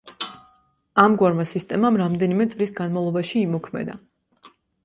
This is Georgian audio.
ამგვარმა სისტემამ რამდენიმე წლის განმავლობაში იმოქმედა.